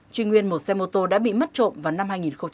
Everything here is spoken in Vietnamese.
truy nguyên một xe mô tô đã bị mất trộm vào năm hai nghìn một mươi